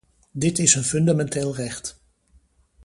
Dit is een fundamenteel recht.